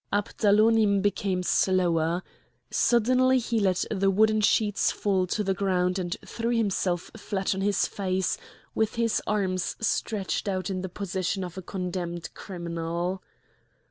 Abdalonim became slower. Suddenly he let the wooden sheets fall to the ground and threw himself flat on his face with his arms stretched out in the position of a condemned criminal.